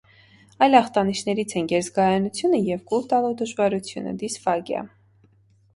Այլ ախտանիշներից են գերզգայունությունը և կուլ տալու դժվարությունը (դիսֆագիա)։